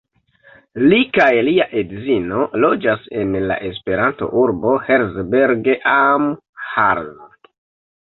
Li kaj lia edzino loĝas en la Esperanto-urbo Herzberg am Harz.